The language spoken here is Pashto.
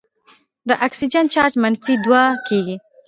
د اکسیجن چارج منفي دوه کیږي.